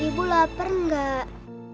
bu ibu lapar nggak